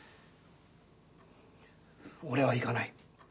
俺は行かない。